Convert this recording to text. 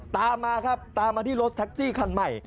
ตามมาครับตามมาที่รถแท็กซี่คันใหม่